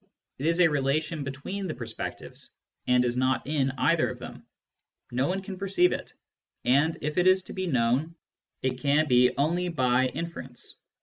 It is a relation between the perspectives, and is not in either of them ; no one can perceive it, and if it is to be known it can be only by inference.